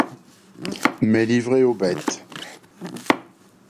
Mais livré aux bêtes.